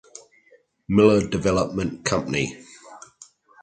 Miller Development Company.